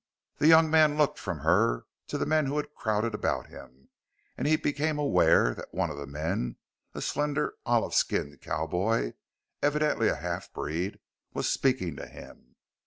The young man looked from her to the men who had crowded about him and he became aware that one of the men a slender, olive skinned cowboy evidently a half breed was speaking to him.